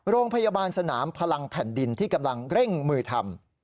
โรงพยาบาลสนามพลังแผ่นดินที่กำลังเร่งมือทำ